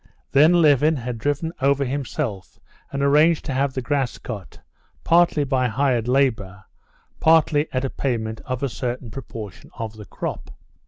Then Levin had driven over himself, and arranged to have the grass cut, partly by hired labor, partly at a payment of a certain proportion of the crop.